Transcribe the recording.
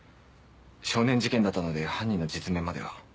少年事件だったので犯人の実名までは。